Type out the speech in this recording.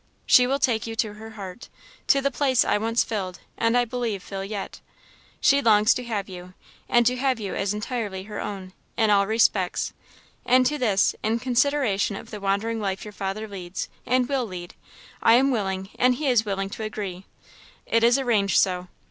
She will take you to her heart, to the place I once filled, and I believe fill yet. She longs to have you, and to have you as entirely her own, in all respects; and to this, in consideration of the wandering life your father leads, and will lead, I am willing and he is willing to agree. It is arranged so.